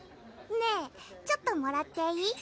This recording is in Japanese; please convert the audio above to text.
ねぇちょっともらっていい？